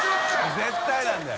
絶対なんだよ。